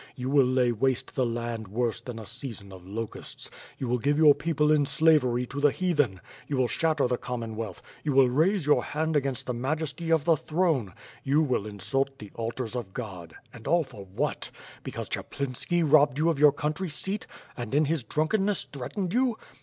You will lay waste the land worse than a season of locusts. You will give your people in slavery to the Heathen; you will shatter the Com mon\\'^alth; you will raise your hand against the majesty of the throne; you will insult the altars of God, and all for what? Because Chaplinski robbed you of your country seat, and, in his drunkenness, threatened you!